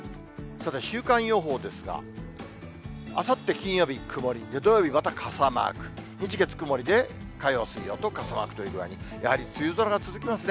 さて週間予報ですが、あさって金曜日、曇り、土曜日また傘マーク、日、月曇りで、火曜、水曜と傘マークという具合に、やはり梅雨空が続きますね。